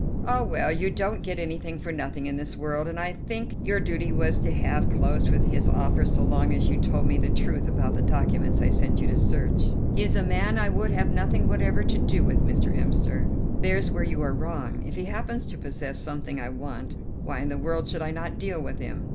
"Ah, well, you don't get anything for nothing in this world, and I think your duty was to have closed with his offer so long as you told me the truth about the documents I sent you to search." "He is a man I would have nothing whatever to do with, Mr. Hemster." "There's where you are wrong. If he happens to possess something I want, why in the world should I not deal with him.